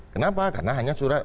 kenapa karena hanya surat